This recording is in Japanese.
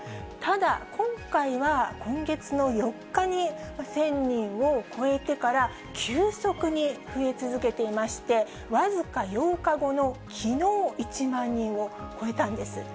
ただ、今回は今月の４日に１０００人を超えてから、急速に増え続けていまして、僅か８日後のきのう、１万人を超えたんです。